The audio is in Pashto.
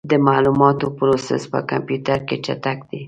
د معلوماتو پروسس په کمپیوټر کې چټک دی.